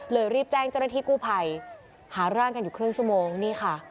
รีบแจ้งเจ้าหน้าที่กู้ภัยหาร่างกันอยู่ครึ่งชั่วโมงนี่ค่ะ